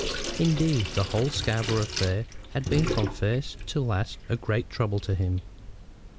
Indeed, the whole Scarborough affair had been from first to last a great trouble to him.